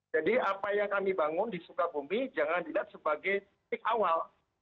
jadi apa yang kami bangun di sukabumi jangan dilihat sebagai titik awal